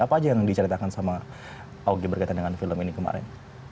apa aja yang diceritakan sama augie berkaitan dengan film ini kemarin